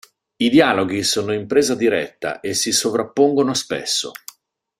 I dialoghi sono in presa diretta e si sovrappongono spesso.